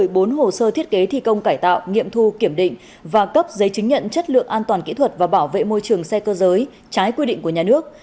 một mươi bốn hồ sơ thiết kế thi công cải tạo nghiệm thu kiểm định và cấp giấy chứng nhận chất lượng an toàn kỹ thuật và bảo vệ môi trường xe cơ giới trái quy định của nhà nước